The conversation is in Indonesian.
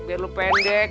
biar lu pendek